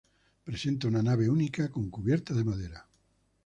Presenta una nave única con cubierta de madera.